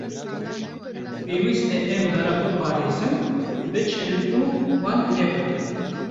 Pêwîst e em daran biparêzin, biçînin û wan nebirin.